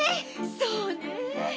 そうね。